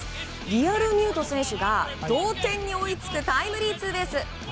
リアルミュート選手が同点に追いつくタイムリーツーベース。